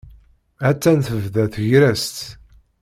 Hattan tebda tegrest.